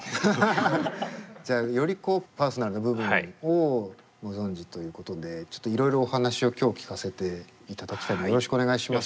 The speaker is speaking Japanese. じゃあよりこうパーソナルな部分をご存じということでちょっといろいろお話を今日聞かせていただきたいんでよろしくお願いします。